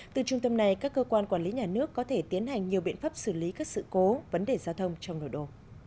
từ trung tâm này các cơ quan quản lý nhà nước có thể tiến hành nhiều biện pháp xử lý các sự cố vấn đề giao thông trong nội đô